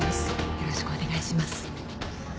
よろしくお願いします。